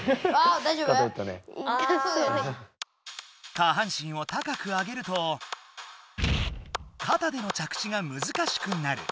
下半身を高く上げるとかたでの着地がむずかしくなる。